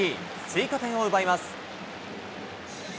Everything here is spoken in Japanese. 追加点を奪います。